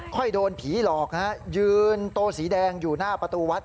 ค่อยโดนผีหลอกฮะยืนโตสีแดงอยู่หน้าประตูวัด